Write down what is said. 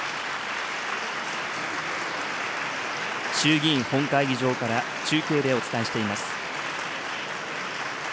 衆議院本会議場から中継でお伝えしています。